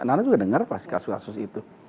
nana juga dengar pasti kasus kasus itu